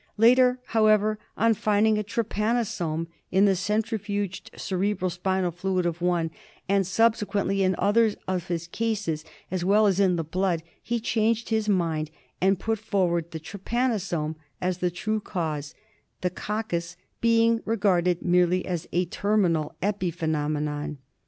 Later, however, on finding a trypanosome in the centrifuged cerebro spinal fluid of one, and subse quently in others of his cases, as well as in the blood, he changed his mind and put forward the trypanosome as the true cause, the coccus being regarded merely as a terminal epiphenomenon.